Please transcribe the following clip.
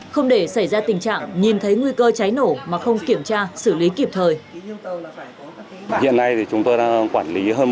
không để xảy ra tình trạng nhìn thấy nguy cơ cháy nổ mà không kiểm tra xử lý kịp thời